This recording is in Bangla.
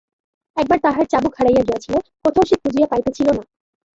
একবার তাহার চাবুক হারাইয়া গিয়াছিল, কোথাও সে খুঁজিয়া পাইতেছিল না।